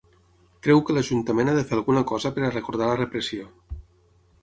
Creu que l’ajuntament ha de fer alguna cosa per a recordar la repressió.